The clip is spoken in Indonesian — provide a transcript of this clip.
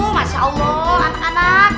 masya allah anak dua